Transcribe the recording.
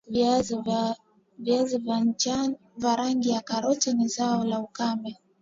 viazi vitamu vya rangi ya karoti ni zao la ukame